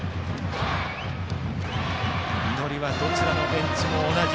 祈りはどちらのベンチも同じ。